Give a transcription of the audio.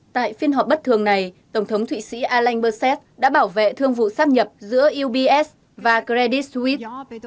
tại phiên họp bất thường này tổng thống thụy sĩ alain berset đã bảo vệ thương vụ sắp nhập giữa ubs và credit suisse